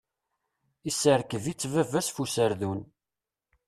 Iserkeb-itt baba-s f userdun.